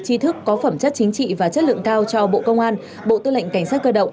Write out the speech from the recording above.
chi thức có phẩm chất chính trị và chất lượng cao cho bộ công an bộ tư lệnh cảnh sát cơ động